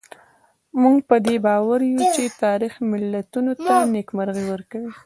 موږ په دې باور یو چې تاریخ ملتونو ته نېکمرغي ورکوي.